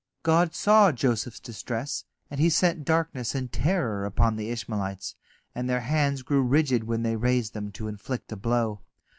God saw Joseph's distress, and He sent darkness and terror upon the Ishmaelites, and their hands grew rigid when they raised them to inflict a blow.